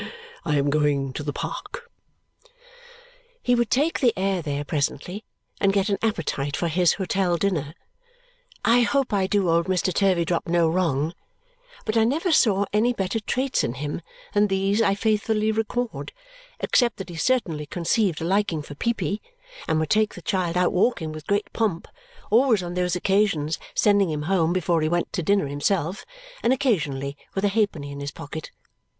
I am going to the Park." He would take the air there presently and get an appetite for his hotel dinner. I hope I do old Mr. Turveydrop no wrong, but I never saw any better traits in him than these I faithfully record, except that he certainly conceived a liking for Peepy and would take the child out walking with great pomp, always on those occasions sending him home before he went to dinner himself, and occasionally with a halfpenny in his pocket.